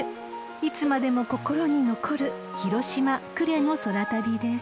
［いつまでも心に残る広島呉の空旅です］